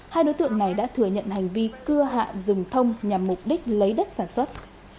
hai đối tượng này đã thừa nhận hành vi cưa hạ rừng thông nhằm mục đích lấy đất sản xuất